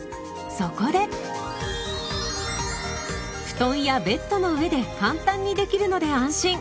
布団やベッドの上で簡単にできるので安心。